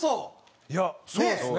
いやそうっすね！